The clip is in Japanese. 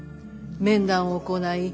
面談を行い